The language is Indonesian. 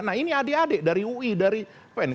nah ini adik adik dari ui dari pn